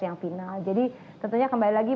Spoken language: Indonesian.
yang final jadi tentunya kembali lagi